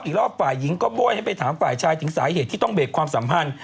อีกรอบฝ่ายหญิงก็โบ้ยให้ไปถามฝ่ายชายถึงสาเหตุที่ต้องเบรกความสัมพันธ์